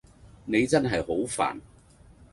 你真係好煩